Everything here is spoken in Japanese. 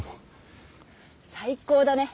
最高だね。